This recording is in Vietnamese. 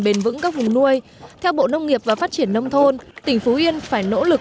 bền vững các vùng nuôi theo bộ nông nghiệp và phát triển nông thôn tỉnh phú yên phải nỗ lực